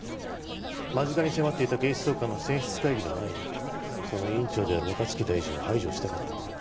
間近に迫っていた警視総監の選出会議の前にその委員長である若槻大臣を排除したかったんだろう。